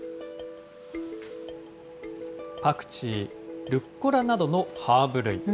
パクチー、ルッコラなどのハーブ類。